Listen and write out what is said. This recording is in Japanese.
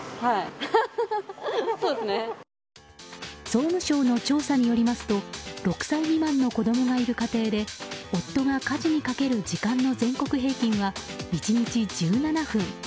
総務省の調査によりますと６歳未満の子供がいる家庭で夫が家事にかける時間の全国平均は１日１７分。